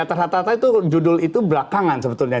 di atas rata rata itu judul itu belakangan sebetulnya